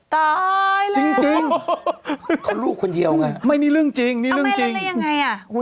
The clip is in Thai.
ตายแล้วจริงเขาลูกคนเดียวไงไม่นี่เรื่องจริงนี่เรื่องจริงทำไมแล้วอะไรยังไง